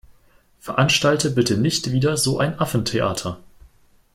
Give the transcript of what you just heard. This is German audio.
Veranstalte bitte nicht wieder so ein Affentheater.